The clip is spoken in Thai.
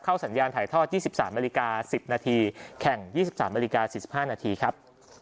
เข้าสัญญาณถ่ายทอด๒๓ม๑๐นแข่ง๒๓ม๔๕นครับ